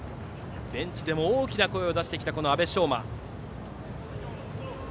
ベンチでも大きな声を出してきた阿部匠真。